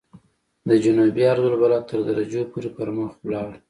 د جنوبي عرض البلد تر درجو پورې پرمخ ولاړ.